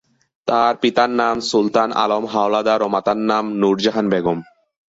তার পিতার নাম সুলতান আলম হাওলাদার ও মাতার নাম নূর জাহান বেগম।